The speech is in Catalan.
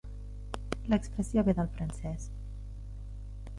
L'expressió ve del francès.